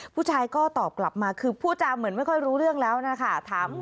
ผู้ชายก็ตอบกลับมาคือผู้จาเหมือนไม่ค่อยรู้เรื่องแล้วนะคะ